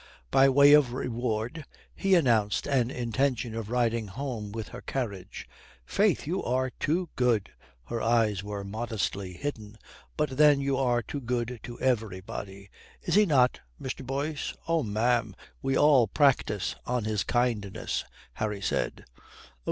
By way of reward, he announced an intention of riding home with her carriage. "Faith, you are too good" her eyes were modestly hidden "but then you are too good to everybody. Is he not, Mr. Boyce?" "Oh, ma'am, we all practise on his kindness," Harry said.